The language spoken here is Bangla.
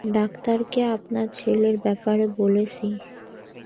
ডাক্তারকে আপনার ছেলের ব্যাপারে বলেছি।